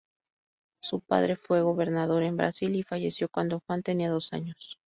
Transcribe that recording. Su padre fue gobernador en Brasil y falleció cuando Juan tenía dos años.